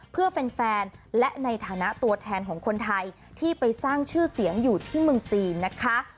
เพื่อแฟนและในฐานะตัวแทนของคนไทยที่ไปสร้างชื่อเสียงอยู่ที่เมืองจีนนะคะ